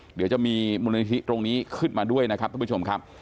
เดี๋ยวจะมีมูลนิธิตรงนี้ขึ้นมาด้วยนะครับท่านผู้ชมครับ